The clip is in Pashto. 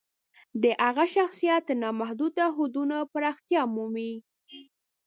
د هغه شخصیت تر نامحدودو حدونو پراختیا مومي.